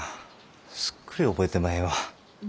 すっくり覚えてまへんわ。